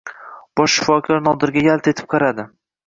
Bosh shifokor Nodirga yalt etib qaradi.